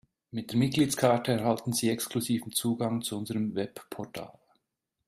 Mit der Mitgliedskarte erhalten Sie exklusiven Zugang zu unserem Webportal.